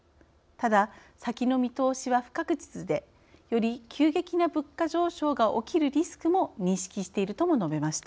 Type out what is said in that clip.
ただ「先の見通しは不確実でより急激な物価上昇が起きるリスクも認識している」とも述べました。